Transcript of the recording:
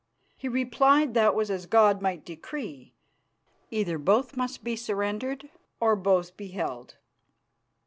He replied that was as God might decree; either both must be surrendered or both be held."